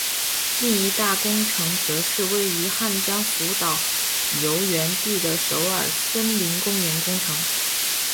另一项大工程则是位于汉江纛岛游园地的首尔森林公园工程。